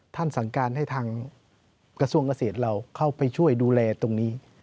สั่งการให้ทางกระทรวงเกษตรเราเข้าไปช่วยดูแลตรงนี้